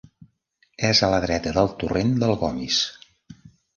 És a la dreta del torrent del Gomis.